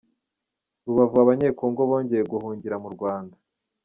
Rubavu Abanyekongo bongeye guhungira mu Rwanda